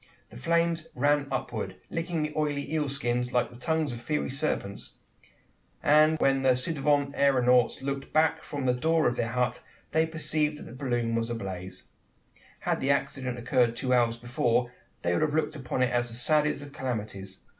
The flames ran upward, licking the oily eel skins like the tongues of fiery serpents; and when the ci devant aeronauts looked back from the door of their hut, they perceived that the balloon was ablaze! Had the accident occurred two hours before, they would have looked upon it as the saddest of calamities.